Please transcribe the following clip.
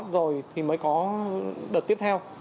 rồi thì mới có đợt tiếp theo